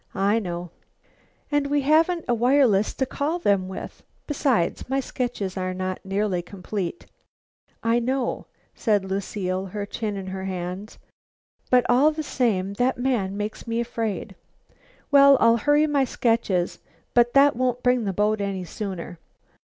"I know." "And we haven't a wireless to call them with. Besides, my sketches are not nearly complete." "I know," said Lucile, her chin in her hands. "But, all the same, that man makes me afraid." "Well, I'll hurry my sketches, but that won't bring the boat any sooner."